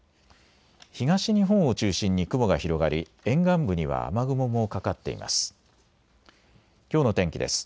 東日本を中心に雲が広がり沿岸部には雨雲もかかっています。